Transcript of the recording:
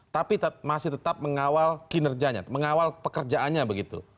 tapi masih tetap mengawal kinerjanya mengawal pekerjaannya begitu